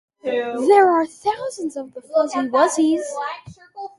There are "thousands" of the Fuzzy-Wuzzies!